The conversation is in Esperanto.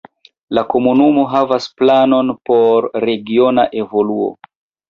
La komunumo havas planon por regiona evoluo.